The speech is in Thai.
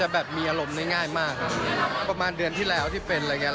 แบบมีอารมณ์ได้ง่ายมากครับประมาณเดือนที่แล้วที่เป็นอะไรอย่างนี้